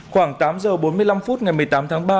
khoảng tám giờ bốn mươi năm phút ngày một mươi tám tháng ba